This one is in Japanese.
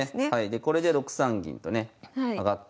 これで６三銀とね上がって